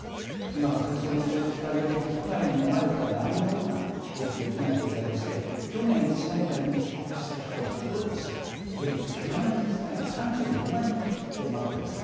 紛争の長期化により国外に逃れた難民の多くが帰国できない状況で去年１年間に帰国した人はおととしより９万人少ない３４万人にとどまったんです。